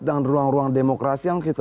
dan ruang ruang demokrasi yang kita